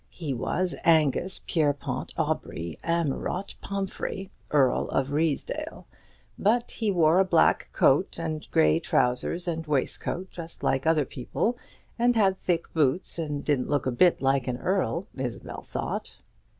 He was Angus Pierrepoint Aubrey Amyott Pomphrey, Earl of Ruysdale; but he wore a black coat and grey trousers and waistcoat, just like other people, and had thick boots, and didn't look a bit like an earl, Isabel thought.